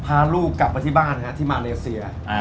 พาลูกกลับมาที่บ้านที่มาเลเซีย